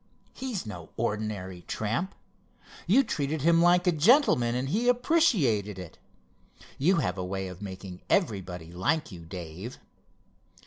He's no ordinary tramp. You treated him like a gentleman and he appreciated it. You have a way of making everybody like you, Dave."